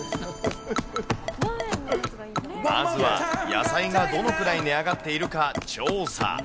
まずは、野菜がどのくらい値上がっているか調査。